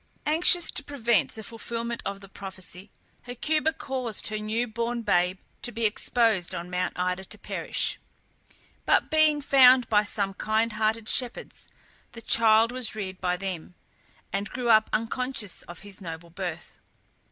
Anxious to prevent the fulfilment of the prophecy, Hecuba caused her new born babe to be exposed on Mount Ida to perish; but being found by some kind hearted shepherds, the child was reared by them, and grew up unconscious of his noble birth.